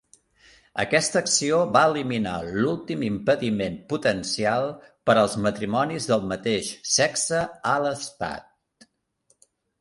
Aquesta acció va eliminar l'últim impediment potencial per als matrimonis del mateix sexe a l'estat.